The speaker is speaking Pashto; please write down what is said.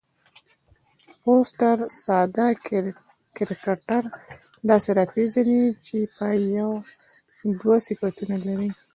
فوسټر ساده کرکټر داسي راپېژني، چي یو یا دوه صفتونه لري.